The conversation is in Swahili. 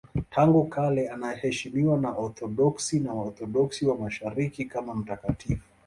Tangu kale anaheshimiwa na Waorthodoksi na Waorthodoksi wa Mashariki kama mtakatifu.